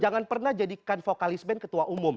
jangan pernah jadikan vokalis band ketua umum